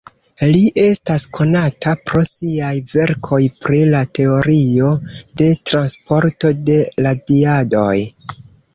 Li estas konata pro siaj verkoj pri la teorio de transporto de radiadoj.